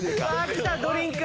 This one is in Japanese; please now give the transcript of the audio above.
来たドリンク！